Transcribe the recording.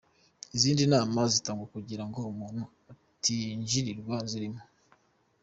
Izindi nama zitangwa kugira ngo umuntu atinjirirwa zirimo:.